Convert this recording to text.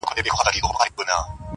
ته دې هره ورځ و هيلو ته رسېږې.